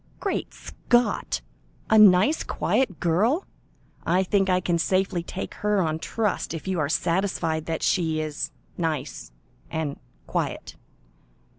"Great Scott! A nice, quiet girl! I think I can safely take her on trust, if you are satisfied that she is nice and quiet.